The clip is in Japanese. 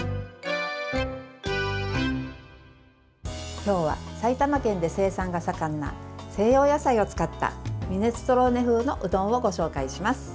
今日は埼玉県で生産が盛んな西洋野菜を使ったミネストローネ風のうどんをご紹介します。